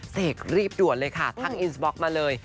เสกรีบด่วนเลยค่ะทักอินสบล็อกมาเลย